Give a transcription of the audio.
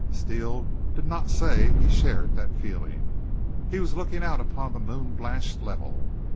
Steele did not say he shared that feeling. He was looking out upon the moon blanched level.